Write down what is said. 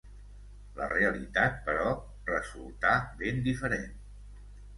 La realitat, però, resultà ben diferent.